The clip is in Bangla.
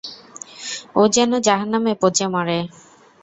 ও যেন জাহান্নামে পচে মরে।